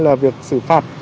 là việc xử phạt